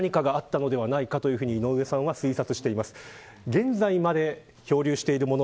現在まで漂流しているもの